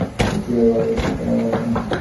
সে চুলের গর্ব ছিল তোমার মনে।